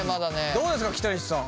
どうですか北西さん？